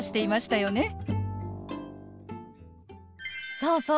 そうそう。